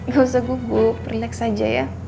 gausah gugup relax aja ya